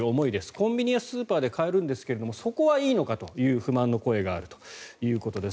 コンビニやスーパーで買えるんですけどそこはいいのかという不満の声があるということです。